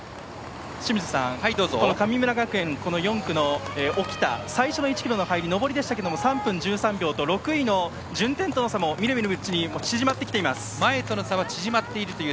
清水さん、神村学園４区の沖田最初の１ｋｍの入りは上りでしたが３分１３秒と６位の順天との差もみるみるうちに縮まっています。